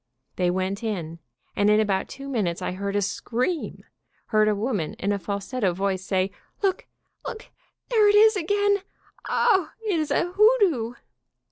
They went in, and in about two minutes I heard a scream, heard a woman in a falsetto voice say: "Look! Look! There it is again! O, it is a hoodoo!"